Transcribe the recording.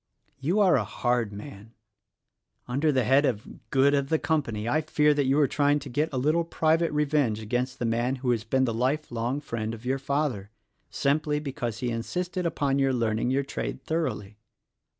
You are a hard man. Under the head of 'Good of the Company' I fear that you are trying to get a little private revenge against the man who has been the life long friend of your father — simply because he insisted upon your learning your trade thoroughly."